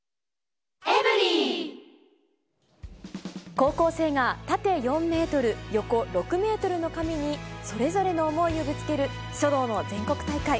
高校生が縦４メートル、横６メートルの紙に、それぞれの思いをぶつける書道の全国大会。